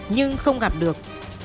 nhưng không gặp được